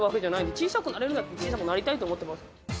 小さくなれるなら、小さくなりたいと思ってます。